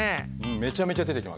めちゃめちゃ出てきます。